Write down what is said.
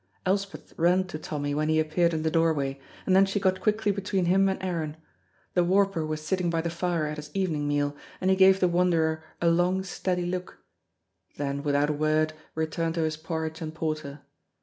Elspeth ran to Tommy when he appeared in the doorway, and then she got quickly between him and Aaron. The warper was sitting by the fire at his evening meal, and he gave the wanderer a long steady look, then without a word returned to his porridge and porter.